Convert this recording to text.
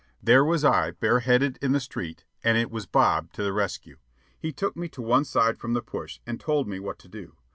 There was I bare headed in the street, and it was Bob to the rescue. He took me to one side from the push and told me what to do.